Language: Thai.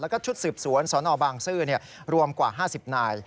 แล้วก็ชุดสืบสวนสนบางซื่อรวมกว่า๕๐นาย